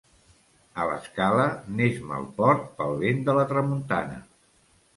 A L'Escala n'és mal port pel vent de la tramuntana.